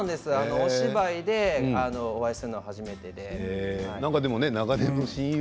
お芝居でお会いするのは初めてで。